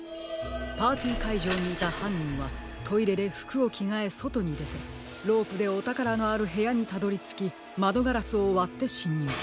パーティーかいじょうにいたはんにんはトイレでふくをきがえそとにでてロープでおたからのあるへやにたどりつきまどガラスをわってしんにゅう。